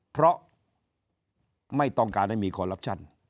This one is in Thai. เพราะไม่ต้องการให้มีคอลลับชั่น